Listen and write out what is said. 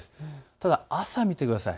ただ朝を見てください。